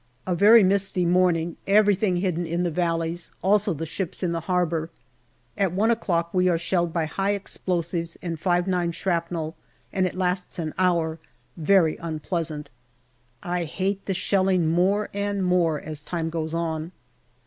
A VERY misty morning, everything hidden in the valleys, also the ships in the harbour. At one o'clock we are shelled by high explosives and 5*9 shrapnel, and it lasts an hour ; very unpleasant. I hate the shelling more and more as time goes on.